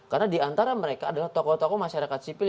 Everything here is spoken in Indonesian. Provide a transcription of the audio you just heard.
karena diantara mereka adalah tokoh tokoh masyarakat sipil